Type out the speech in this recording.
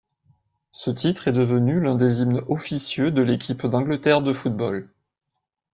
Ce titre est devenu l’un des hymnes officieux de l’équipe d'Angleterre de football.